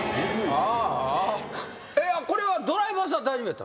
これはドライバーさん大丈夫やったの？